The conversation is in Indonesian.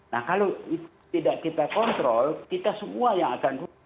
nah kalau itu tidak kita kontrol kita semua yang akan